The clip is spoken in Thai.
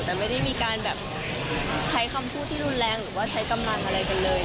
แต่ไม่ได้มีการแบบใช้คำพูดที่รุนแรงหรือว่าใช้กำลังอะไรกันเลย